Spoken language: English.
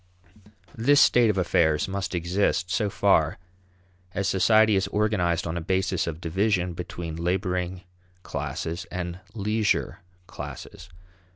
This state of affairs must exist so far as society is organized on a basis of division between laboring classes and leisure classes.